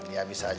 ya bisa aja